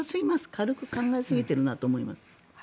軽く考えすぎてるなと思います。